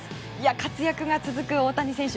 活躍が続く大谷選手